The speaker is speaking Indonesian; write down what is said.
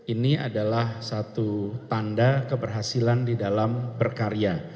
ini adalah satu tanda keberhasilan di dalam berkarya